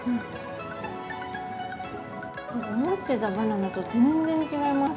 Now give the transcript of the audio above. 思ってたバナナと全然違います。